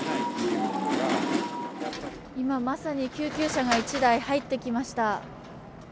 今、まさに救急車が１台入ってきました。